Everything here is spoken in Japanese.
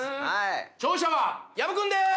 勝者は薮君でーす！